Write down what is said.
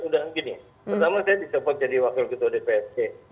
pertama saya dicopot jadi wakil ketua dprd